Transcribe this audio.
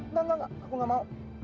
enggak enggak aku gak mau